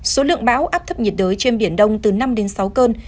số lượng báo áp thấp nhiệt đới trên biển đông từ năm sáu cơn